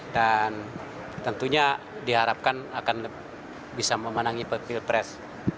dan tentunya diharapkan akan bisa memenangi pilpres dua ribu sembilan belas